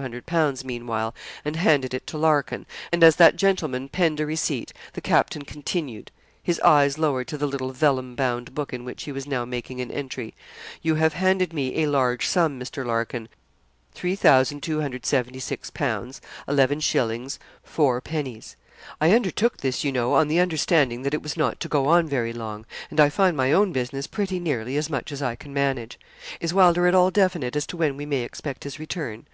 _ meanwhile, and handed it to Larkin; and as that gentleman penned a receipt, the captain continued his eyes lowered to the little vellum bound book in which he was now making an entry: 'You have handed me a large sum, Mr. Larkin 3,276_l._ 11_s._ 4_d._ I undertook this, you know, on the understanding that it was not to go on very long; and I find my own business pretty nearly as much as I can manage. Is Wylder at all definite as to when we may expect his return?'